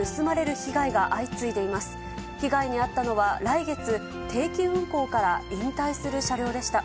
被害に遭ったのは、来月、定期運行から引退する車両でした。